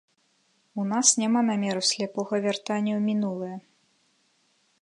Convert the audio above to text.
У нас няма намеру сляпога вяртання ў мінулае.